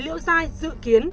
hai mươi chín liễu dai dự kiến